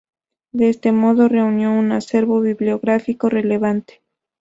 De este modo, reunió un acervo bibliográfico relevante.